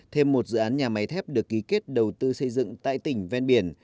thêm một dự án nhà máy thép được ký kết đầu tư xây dựng tại tỉnh ven biển